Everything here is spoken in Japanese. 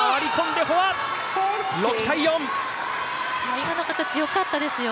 今の形よかったですよ。